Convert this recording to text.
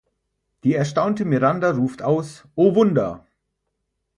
Die erstaunte Miranda ruft aus: „O Wunder!